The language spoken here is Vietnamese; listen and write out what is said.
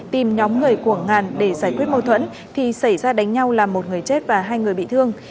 tìm nhóm người của ngàn để giải quyết mâu thuẫn thì xảy ra đánh nhau làm một người chết và hai người bị thương